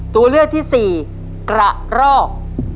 ตัวเลือกที่๔กระร่อก